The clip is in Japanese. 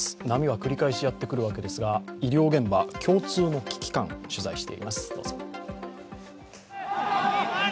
波は繰り返しやってくるわけですが、医療現場共通の危機感取材しています。